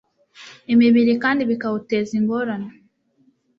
umubiri kandi bikawuteza ingorane